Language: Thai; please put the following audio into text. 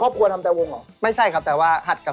โอ๊ะโอเคหมดเวลาแล้วหมดเวลา